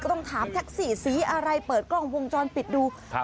ต้องถามแท็กซี่สีอะไรเปิดกล้องวงจรปิดดูครับ